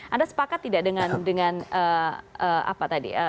anda sepakat tidak dengan apa tadi